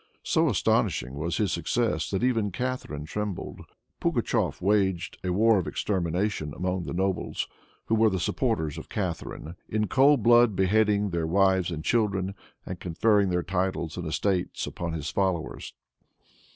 So astonishing was his success, that even Catharine trembled. Pugatshef waged a war of extermination against the nobles who were the supporters of Catharine, in cold blood beheading their wives and children, and conferring their titles and estates upon his followers.